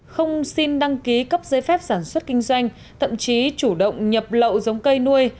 không xin đăng ký cấp giấy phép sản xuất kinh doanh thậm chí chủ động nhập lậu giống cây nuôi